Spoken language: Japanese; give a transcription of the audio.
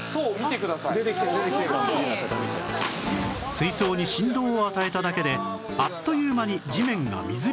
水槽に振動を与えただけであっという間に地面が水浸しに